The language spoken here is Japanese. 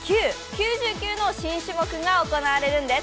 ９９の新種目が行われるんです。